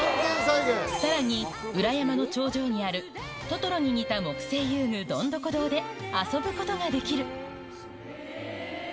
さらに、裏山の頂上にあるトトロに似た木製遊具、どんどこ堂で遊ぶことができる。